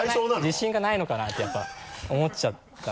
自信がないのかなってやっぱ思っちゃったのと。